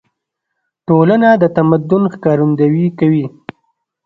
ټولنه د تمدن ښکارندويي کوي.